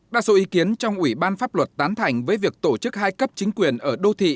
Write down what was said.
đa số ý kiến trong ủy ban pháp luật tán thành với việc tổ chức hai cấp chính quyền ở đô thị